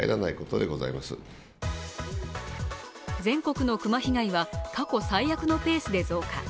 全国の熊被害は過去最悪のペースで増加。